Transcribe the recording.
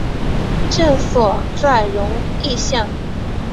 治所在荣懿县。